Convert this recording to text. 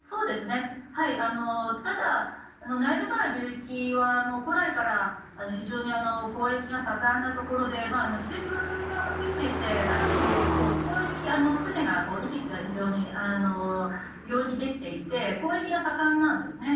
ただ、ナイル川流域は古来から非常に交易が盛んなところで季節風が吹いていて船の行き来が非常に容易にできていて交易が盛んなんですね。